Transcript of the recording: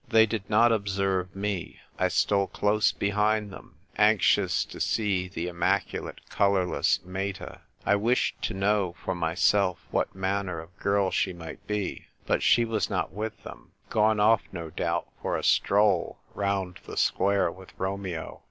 They did not ob serve me ; 1 stole close behind them, anxious 226 THE TYPE WRITER GIRL. to see the immaculate colourless Meta ; 1 wished to know for myself what manner of girl she might be ; but she was not with them — gone off, no doubt, for a stroll round the square with Romeo.